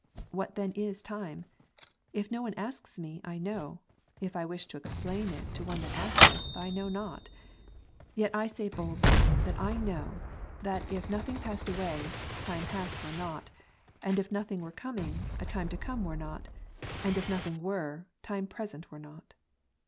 What then is time ? If no one asks me, I know : if I wish to explain it to one that asketh, I know not : yet I say boldly, that I know, that if nothing passed away, time past were not ; and if nothing were coming, a time to come were not ; and if nothing were, time present were not.